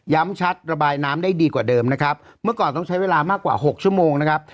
ชัดระบายน้ำได้ดีกว่าเดิมนะครับเมื่อก่อนต้องใช้เวลามากกว่าหกชั่วโมงนะครับ